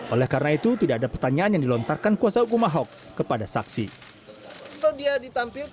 oleh karena itu tidak ada pertanyaan yang dilontarkan kuasa hukum ahok kepada saksi